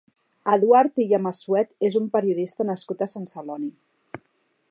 Eduard Illa Massuet és un periodista nascut a Sant Celoni.